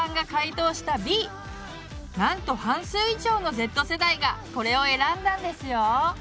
なんと半数以上のＺ世代がこれを選んだんですよ。